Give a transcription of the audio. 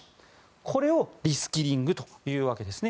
これをリスキリングというわけですね。